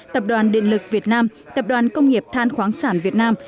tập đoàn điện lực việt nam tập đoàn công nghiệp than khoáng sản việt nam